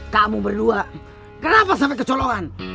kamu berdua kenapa sampai kecolongan